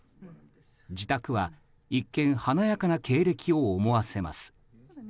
自宅は一見華やかな経歴を思わせます。